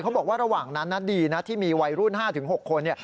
บอกว่าระหว่างนั้นดีนะที่มีวัยรุ่น๕๖คน